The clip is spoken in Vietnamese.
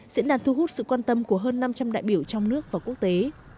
diễn đàn thu hút sự quan tâm của hơn năm trăm linh đại biểu trong nước và quốc tế